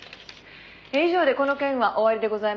「以上でこの件は終わりでございます」